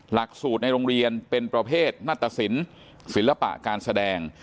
หลักสูตรในโรงเรียนเป็นประเภทนัตตสินศิลปะการแสดง